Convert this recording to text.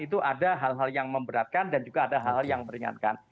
itu ada hal hal yang memberatkan dan juga ada hal yang meringankan